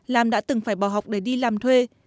lam đã từng phải bỏ học để đi làm thuê